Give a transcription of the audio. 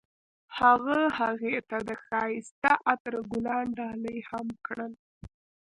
هغه هغې ته د ښایسته عطر ګلان ډالۍ هم کړل.